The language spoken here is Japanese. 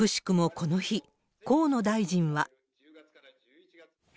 この日、河野大臣は。